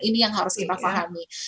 ini yang harus kita pahami